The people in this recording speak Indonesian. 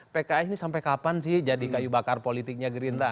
pks ini sampai kapan sih jadi kayu bakar politiknya gerindra